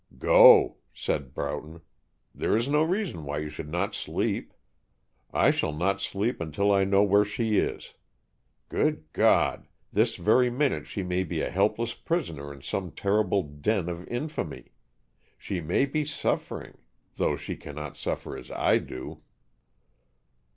"Go," said Broughton. "There is no reason why you should not sleep. I shall not sleep until I know where she is. Good God, this very minute she may be a helpless prisoner in some terrible den of infamy. She may be suffering, though she cannot suffer as I do."